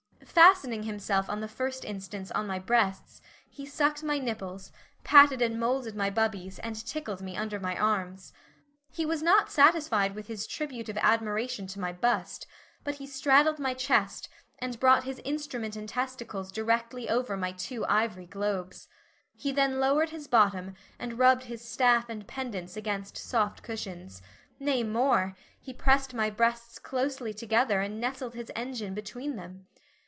Fastening himself on the first instance on my breasts, he sucked my nipples, patted and molded my bubbies and tickled me under my arms. He was not satisfied with his tribute of admiration to my bust, but he straddled my chest and brought his instrument and testicles directly over my two ivory globes. He then lowered his bottom and rubbed his staff and pendants against soft cushions, nay more, he pressed my breasts closely together and nestled his engine between them.